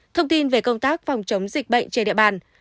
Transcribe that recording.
thông tin về công tác phòng chống dịch bệnh trên địa bàn